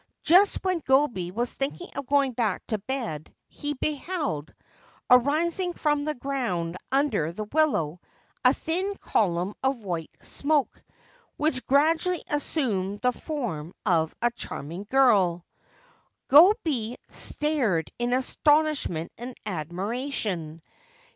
Just when Gobei was thinking of going back to bed, he beheld, arising from the ground under the willow, a thin column of white smoke, which gradually assumed the form of a charming girl. Gobei stared in astonishment and admiration.